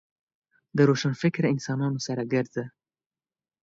د روشنفکره انسانانو سره ګرځه .